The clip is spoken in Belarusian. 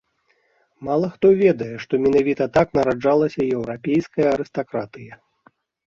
Мала хто ведае, што менавіта так нараджалася еўрапейская арыстакратыя.